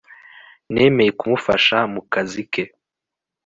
nemeye kumufasha mu kazi ke